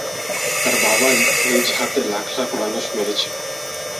তার বাবা নিজ হাতে লাখ লাখ মানুষ মেরেছে!